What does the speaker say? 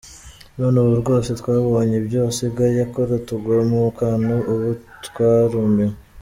None ubu rwose twabonye ibyo asigaye akora tugwa mu kantu ubu twarumiwe.